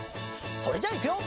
それじゃあいくよ！